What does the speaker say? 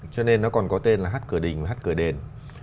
cho nên nó còn có tên là hát cửa đỉnh và hát cửa đền